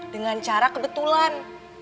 dengan cara kebetulan